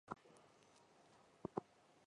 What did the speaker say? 而节目由司徒乃钟题笔。